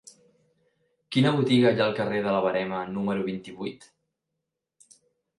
Quina botiga hi ha al carrer de la Verema número vint-i-vuit?